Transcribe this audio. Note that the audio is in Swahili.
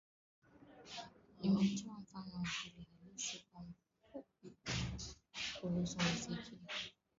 Nimetoa mfano wa hali halisi kwa ufupi kuhusu muziki wa dansi